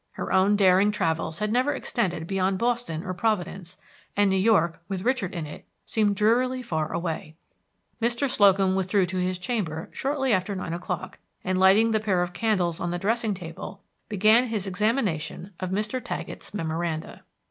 Her own daring travels had never extended beyond Boston or Providence; and New York, with Richard in it, seemed drearily far away. Mr. Slocum withdrew to his chamber shortly after nine o'clock, and, lighting the pair of candles on the dressing table, began his examination of Mr. Taggett's memoranda.